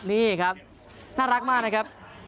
นี่ครับน่ารักมากนะครับ